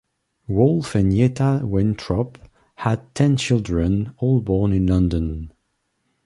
Wolf and Yetta Weintrop had ten children all born in London.